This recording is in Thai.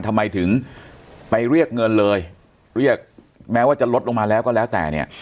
ทำไมถึงไปเรียกเงินเลยเรียกแม้ว่าจะลดลงมาแล้วก็แล้วแต่เนี่ย